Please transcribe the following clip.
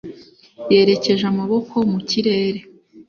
Yerekeje amaboko mu kirere